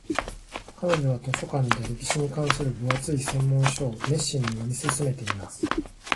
彼女は図書館で歴史に関する分厚い専門書を熱心に読み進めています。